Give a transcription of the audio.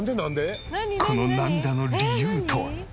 この涙の理由とは？